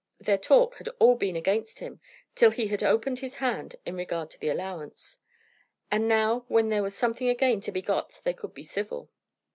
Their talk had all been against him till he had opened his hand in regard to the allowance. And now when there was something again to be got they could be civil.